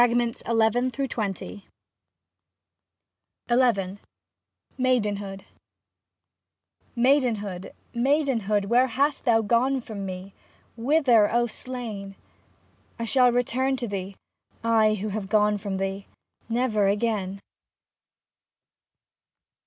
at last to the fold. 29 XI MAIDENHOOD Maidenhood ! Maidenhood ! where hast thou gone from me. Whither, O Slain ! I shall return to thee, I who have gone from thee, never again.